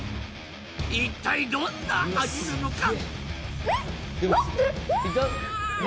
一体どんな味なのか？